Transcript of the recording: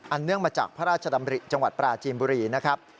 เนื่องมาจากพระราชดำริจังหวัดปราจีนบุรีนะครับ